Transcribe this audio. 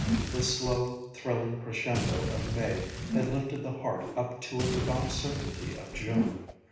The slow, thrilling crescendo of May had lifted the heart up to a devout certainty of June.